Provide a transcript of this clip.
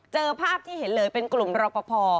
เจอภาพที่เห็นเลยเป็นกลุ่มรอปภ